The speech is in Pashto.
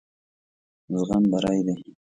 زغم بري دی.